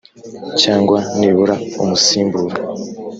cyangwa nibura umusimbura